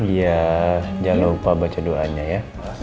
iya jangan lupa baca doanya ya